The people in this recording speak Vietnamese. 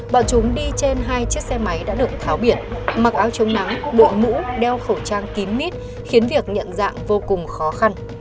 bọn chúng đi trên hai chiếc xe máy đã được tháo biển mặc áo chống nắng bộ mũ đeo khẩu trang kín mít khiến việc nhận dạng vô cùng khó khăn